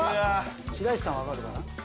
白石さん分かる？